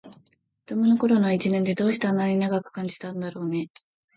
子どもの頃の一年って、どうしてあんなに長く感じたんだろうね。